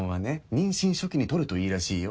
妊娠初期に取るといいらしいよ。